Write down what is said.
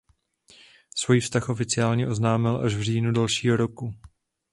Svůj vztah oficiálně oznámili až v říjnu dalšího roku.